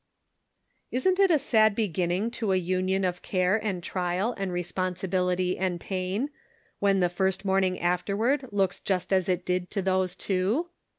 Isn't it a sad beginning to a union of care and trial and responsibility and pain, when the first morning afterward looks just as it did to those two?